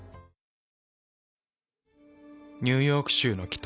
ニューヨーク州の北。